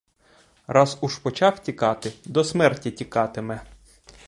Раз уже почав тікати — до смерті тікатиме.